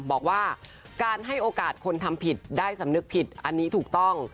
บอกว่าการให้โอกาสคนทำผิดได้สำนึกผิดอันนี้ถูกต้อง